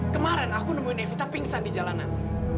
kemarin aku nemuin nevita pingsan di jalanan